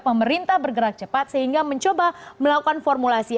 pemerintah bergerak cepat sehingga mencoba melakukan formulasi